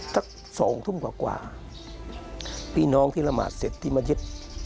สักสองทุ่มกว่าพี่น้องที่ระหมาดเสร็จที่มายึด